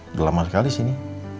udah lama sekali sih ini